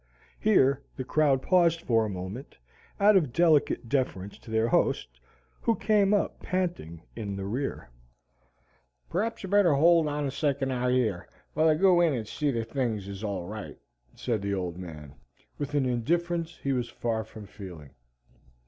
Here the crowd paused for a moment, out of delicate deference to their host, who came up panting in the rear. "P'r'aps ye'd better hold on a second out yer, whilst I go in and see thet things is all right," said the Old Man, with an indifference he was far from feeling.